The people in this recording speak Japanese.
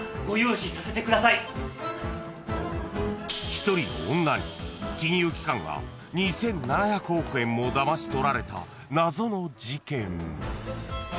［１人の女に金融機関が２，７００億円もだまし取られた謎の事件］